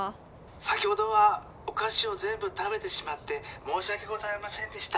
先ほどはおかしをぜんぶ食べてしまってもうしわけございませんでした。